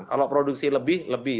kalau produksi lebih lebih